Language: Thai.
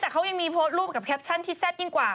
แต่เขายังมีโพสต์รูปกับแคปชั่นที่แซ่บยิ่งกว่า